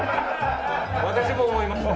私も思いました。